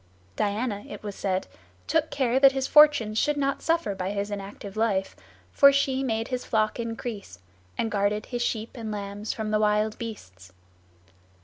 Diana, it was said, took care that his fortunes should not suffer by his inactive life, for she made his flock increase, and guarded his sheep and lambs from the wild beasts.